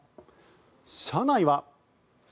車内は。